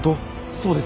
そうです。